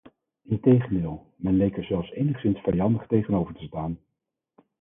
Integendeel, men leek er zelfs enigszins vijandig tegenover te staan.